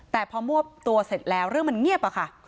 แต่พอมวบตัวเสร็จแล้วเรื่องมันเงียบอะค่ะ